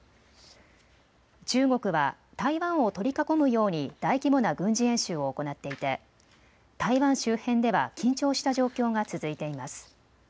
中国は台湾を取り囲むように大規模な軍事演習を行っていて、台湾周辺では緊張した状況が続いています。